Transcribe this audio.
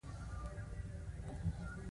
بیزو کولای شي خپلو ملګرو ته خبرداری ورکړي.